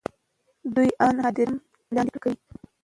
دوی آن هدیرې هم لاندې کوي.